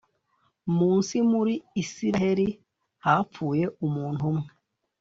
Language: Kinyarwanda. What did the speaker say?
munsi muri isirayeli hapfuye umuntu umwe